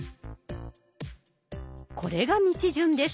これが道順です。